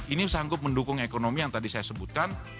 ini sanggup mendukung ekonomi yang tadi saya sebutkan